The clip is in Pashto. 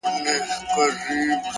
هره ناکامي د تجربې خزانه زیاتوي,